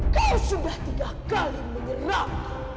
kau sudah tiga kali menyerangku